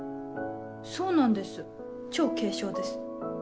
そうなんです超軽傷です。